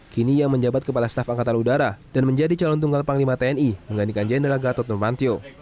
kini ia menjabat kepala staf angkatan udara dan menjadi calon tunggal panglima tni menggantikan jenderal gatot nurmantio